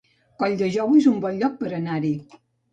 Colldejou es un bon lloc per anar-hi